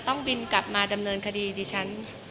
ต้องบินกลับมาดำเนินคดีดิฉัน